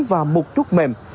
và một chút mềm